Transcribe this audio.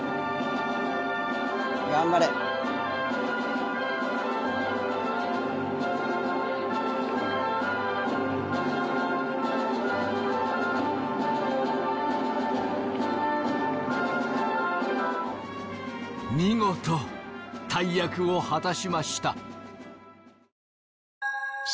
「頑張れ」見事大役を果たしました。